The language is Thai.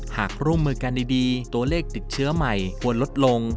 หากร่วมมือกันดีตัวเลขติดเชื้อใหม่ควรลดลง